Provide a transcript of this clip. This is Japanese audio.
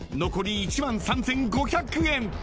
残り１万３，５００円］